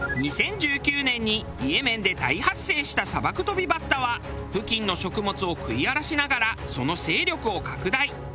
２０１９年にイエメンで大発生したサバクトビバッタは付近の食物を食い荒らしながらその勢力を拡大。